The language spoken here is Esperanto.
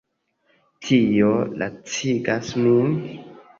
Tio lacigas min.